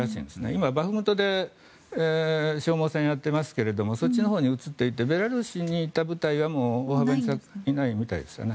今、バフムトで消耗戦やっていますがそっちのほうに移っていってベラルーシにいた部隊はいないみたいですね。